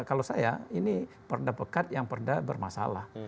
kalau saya ini perda pekat yang perda bermasalah